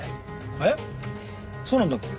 えっそうなんだっけ？